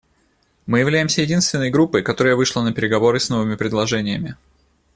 Мы являемся единственной группой, которая вышла на переговоры с новыми предложениями.